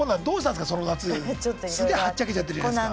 すげえはっちゃけちゃってるじゃないすか。